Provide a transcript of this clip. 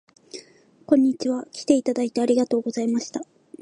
こんにちは。きていただいてありがとうございました